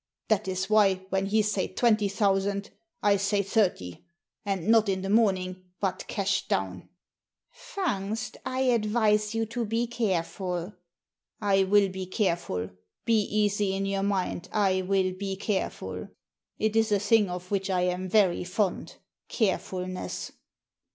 That is why, when he say twenty thousand, I say thirty; and not in the morning, but cash down." " Fungst, I advise you to be careful." " I will be careful. Be easy in your mind, I will be careful. It is a thing of which I am very fond — carefulness."